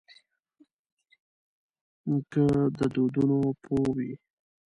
نیکه د دودونو پوه وي.